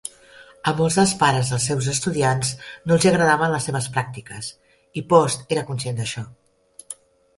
A molts dels pares dels seus estudiantes no els hi agradaven les seves pràctiques, i Post era conscient d"això.